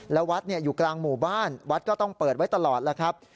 แล้ววัดอยู่กลางหมู่บ้านวัดก็ต้องเปิดไว้ตลอดแล้วครับ